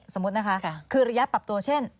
สมมุตินะคะคือระยะปรับตัวเช่น